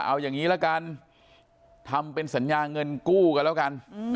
เอาอย่างนี้ละกันทำเป็นสัญญาเงินกู้กันแล้วกัน